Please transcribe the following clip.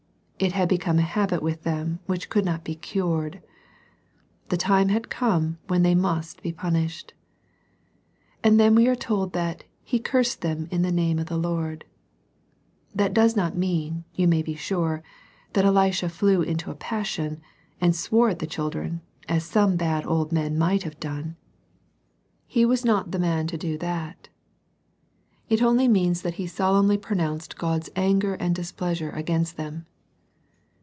It had become a habit with them which could not be cured. The time had come when they must be punished. And then we are told that " he cursed them in the name of the Lord." That does not mean, you may be sure, that Elisha flew into a passion, and swore at the children, as some bad old men might have done. He wa"a ivo^. \!c\fc \saxx\.^ ^^ 6 SERMONS FOR CHILDREN. that ! It only means that he solemnly pro nounced God*s anger and displeasure against them.